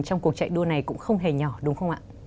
trong cuộc chạy đua này cũng không hề nhỏ đúng không ạ